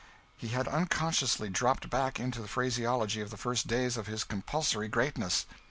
He had unconsciously dropped back into the phraseology of the first days of his compulsory greatness.